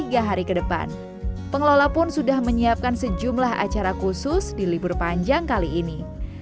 tiga hari ke depan pengelola pun sudah menyiapkan sejumlah acara khusus di libur panjang kali ini